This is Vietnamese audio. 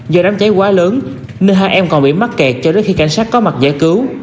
do đám cháy quá lớn nên hai em còn bị mắc kẹt cho đến khi cảnh sát có mặt giải cứu